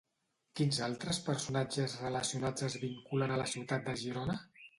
Quins altres personatges relacionats es vinculen a la ciutat de Girona?